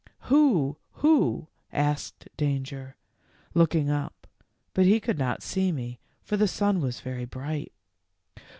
'Who, who,' asked Danger, looking up, but he could not see me, for the sun was very bright.